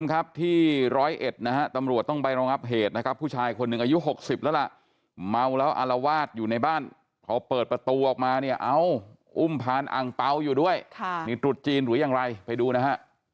ครับที่ร้อยเอ็ดนะฮะตำรวจต้องไปรองับเหตุนะครับผู้ชายคนหนึ่งอายุ๖๐แล้วล่ะเมาแล้วอารวาสอยู่ในบ้านพอเปิดประตูออกมาเนี่ยเอ้าอุ้มพานอังเปล่าอยู่ด้วยมีตรุษจีนหรือยังไรไปดูนะฮะ